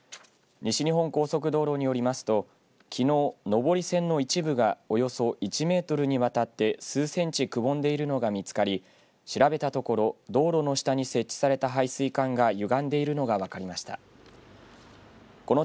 西日本高速道路によりますときのう上り線の一部がおよそ１メートルにわたって数センチくぼんでいるのが見つかり、調べたところ道路の下に設置された排水管がゆがんでいるのが分かりました。